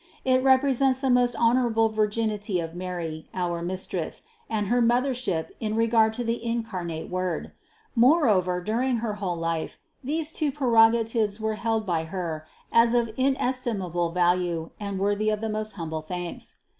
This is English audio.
It represents the most honorable virginity of Mary, our Mistress, and her mothership in regard to the incarnate Word; moreover during her whole life these two pre rogatives were held by Her as of inestimable value and worthy of the most humble thanks.